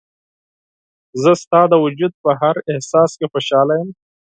زه ستا د وجود په هر احساس کې خوشحاله یم.